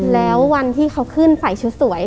แล้ววันที่เขาขึ้นใส่ชุดสวย